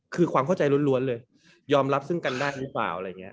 คือความเข้าใจล้วนเลยยอมรับซึ่งกันได้หรือเปล่าอะไรอย่างนี้